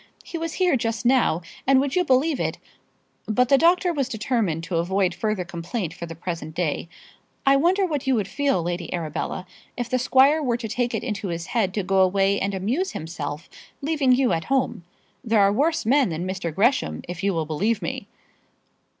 He was here just now, and, would you believe it? " But the doctor was determined to avoid further complaint for the present day. "I wonder what you would feel, Lady Arabella, if the squire were to take it into his head to go away and amuse himself, leaving you at home. There are worse men than Mr. Gresham, if you will believe me."